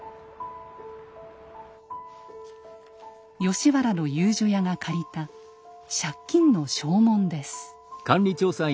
吉原の遊女屋が借りた借金の証文です。